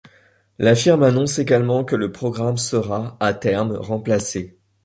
La firme annonce également que le programme sera, à terme, remplacé.